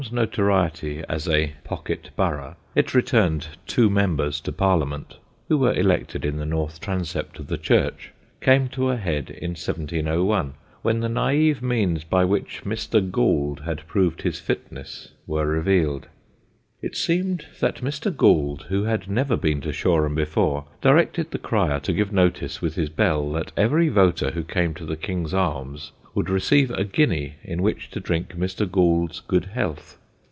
_] Shoreham's notoriety as a pocket borough it returned two members to Parliament, who were elected in the north transept of the church came to a head in 1701, when the naïve means by which Mr. Gould had proved his fitness were revealed. It seemed that Mr. Gould, who had never been to Shoreham before, directed the crier to give notice with his bell that every voter who came to the King's Arms would receive a guinea in which to drink Mr. Gould's good health.